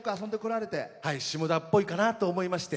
下田っぽいかなと思って。